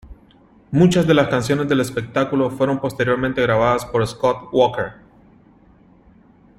Muchas de las canciones del espectáculo fueron posteriormente grabadas por Scott Walker.